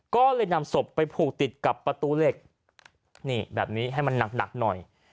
ก็เลยนำศพไปผูกติดกับประตูเหล็กนี่แบบนี้ให้มันหนักหน่อย